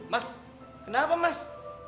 mas kenapa mas